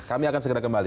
kami akan segera kembali